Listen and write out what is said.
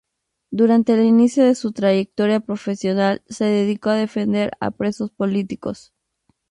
Durante el inicio de su trayectoria profesional se dedicó a defender a presos políticos.